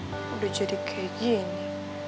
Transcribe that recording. eh udah jadi kayak gini